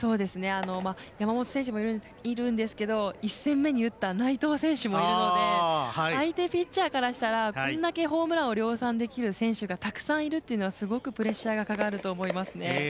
山本選手もいるんですけど１戦目に打った内藤選手もいるので相手ピッチャーからしたらこんだけホームランを量産できる選手がたくさんいるというのはすごくプレッシャーがかかると思いますね。